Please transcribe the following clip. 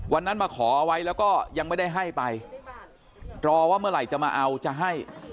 มาขอเอาไว้แล้วก็ยังไม่ได้ให้ไปรอว่าเมื่อไหร่จะมาเอาจะให้